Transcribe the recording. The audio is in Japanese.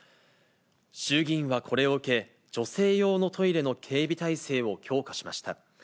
衆議院はこれを受け、女性用のトイレの警備態勢を強化しました。